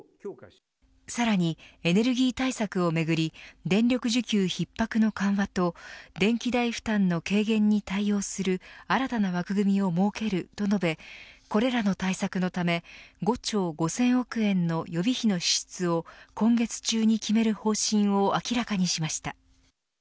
さらに、エネルギー対策をめぐり電力需給逼迫の緩和と電気代負担の軽減に対応する新たな枠組みを設けると述べこれらの対策のため５兆５０００億円の予備費の支出を今月中に決める方針を明らかにしました。